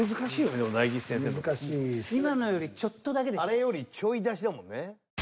あれよりちょい出しだもんね。